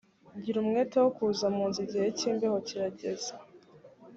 gira umwete wo kuza munzu igihe cy imbeho kirageze